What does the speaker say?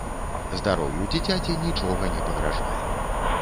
Здароўю дзіцяці нічога не пагражае.